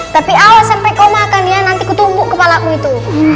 tapi awal sampai kau makan ya nanti ku tumbuk kepalamu itu